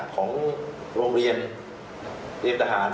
ของโรงเรียนเตรียมทหาร